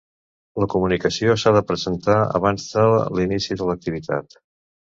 La comunicació s'ha de presentar abans de l'inici de l'activitat.